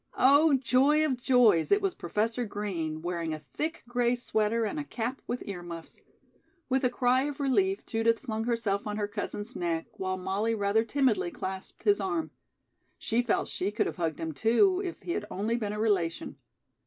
Oh, joy of joys, it was Professor Green, wearing a thick gray sweater and a cap with ear muffs. With a cry of relief, Judith flung herself on her cousin's neck while Molly rather timidly clasped his arm. She felt she could have hugged him, too, if he had only been a relation.